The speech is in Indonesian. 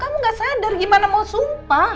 kamu gak sadar gimana mau sumpah